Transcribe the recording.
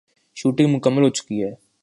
shooting مکمل ہوچکی ہے